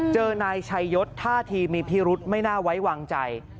เจอนายชัยยศท่าทีมีพิรุษไม่น่าไว้วางใจ